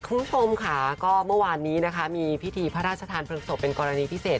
คุณผู้ชมค่ะก็เมื่อวานนี้นะคะมีพิธีพระราชทานเพลิงศพเป็นกรณีพิเศษ